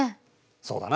そうだな。